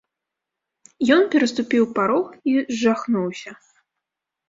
Ён пераступiў парог i зжахнуўся...